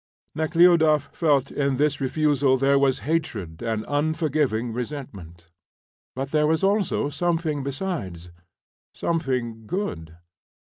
Nekhludoff felt that in this refusal there was hatred and unforgiving resentment, but there was also something besides, something good.